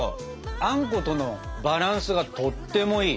あんことのバランスがとってもいい。